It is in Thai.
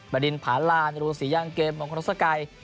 บรรดินผาลานรุงศรีย่างเกมมงคลสกัย